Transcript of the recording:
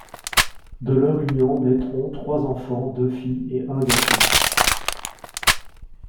De leur union naîtront trois enfants, deux filles et un garçon.